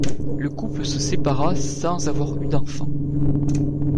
Le couple se sépara sans avoir eu d'enfants.